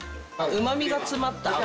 うまみが詰まった脂。